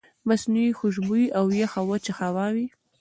مصنوعي خوشبويئ او يخه وچه هوا وي